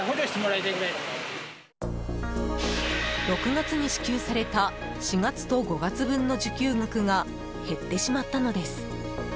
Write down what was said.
６月に支給された４月と５月分の受給額が減ってしまったのです。